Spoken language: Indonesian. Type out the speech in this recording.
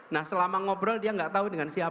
nah selama ngobrol dia nggak tahu dengan siapa